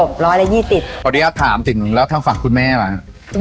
พอดีแล้วถามถึงแล้วทางฝั่งคุณแม่ไหม